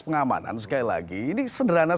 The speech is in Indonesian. pengamanan sekali lagi ini sederhana